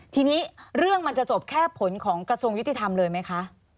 ทีนี้เรื่องมันจะจบแค่ผลของกระทรวงยุติธรรมเลยไหมคะ